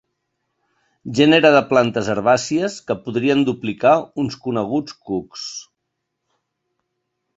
Gènere de plantes herbàcies que podrien duplicar uns coneguts cucs.